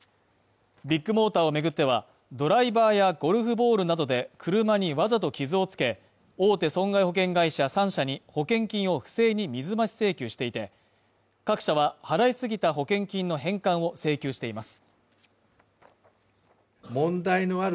ビッグモーターを巡っては、ドライバーやゴルフボールなどで車にわざと傷をつけ、大手損害保険会社３社に保険金を不正に水増し請求していて、各社は払いすぎた保険金の返還を請求しています。